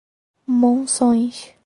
Monções